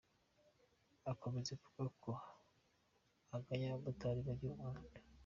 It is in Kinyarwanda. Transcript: Akomeza avuga ko agaya abamotari bagira umwanda.